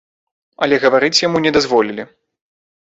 Але гаварыць яму не дазволілі.